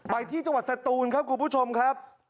ไปที่จังหวัดสตูนครับคุณผู้ชมครับ